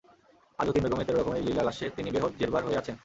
আজও তিন বেগমের তেরো রকমের লীলালাস্যে তিনি বেহদ জেরবার হয়ে আছেন।